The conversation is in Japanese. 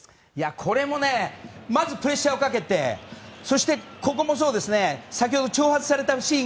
これもまず、プレッシャーをかけてそして先ほど徴発されたシーン。